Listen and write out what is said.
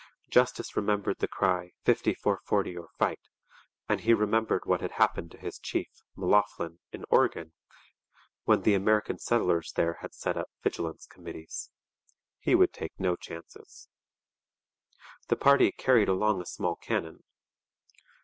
Douglas remembered the cry 'fifty four forty or fight,' and he remembered what had happened to his chief, M'Loughlin, in Oregon when the American settlers there had set up vigilance committees. He would take no chances. The party carried along a small cannon.